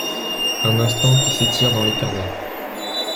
Un instant qui s’étire dans l’éternel.